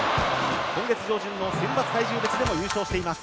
今月上旬の選抜体重別でも優勝しています。